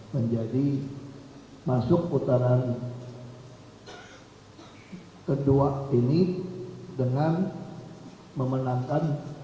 menjadi masuk putaran kedua ini dengan memenangkan